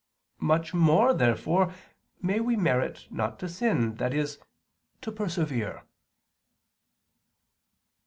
Much more, therefore, may we merit not to sin, i.e. to persevere.